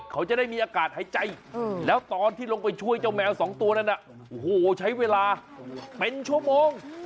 เขาจะได้มีอากาศหายใจแล้วตอนที่ลงไปช่วยเจ้าแมวสองตัวนั้นโอ้โหใช้เวลาเป็นชั่วโมง